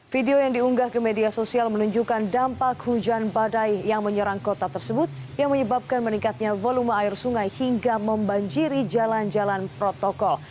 video yang diunggah ke media sosial menunjukkan dampak hujan badai yang menyerang kota tersebut yang menyebabkan meningkatnya volume air sungai hingga membanjiri jalan jalan protokol